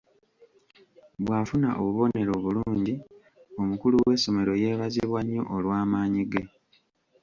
Bw'afuna obubonero obulungi, omukulu w'essomero yeebazibwa nnyo olw'amaanyi ge.